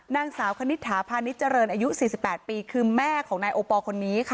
นางสาวคณิตถาพาณิชยเจริญอายุ๔๘ปีคือแม่ของนายโอปอลคนนี้ค่ะ